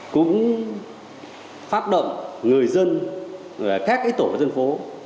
cũng phát động người dân và các tổ chức dân phố